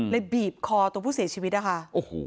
บีบคอตัวผู้เสียชีวิตนะคะ